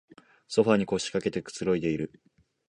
ソファーに腰かけてくつろいでいる